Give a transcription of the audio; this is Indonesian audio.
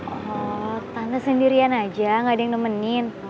oh tanah sendirian aja gak ada yang nemenin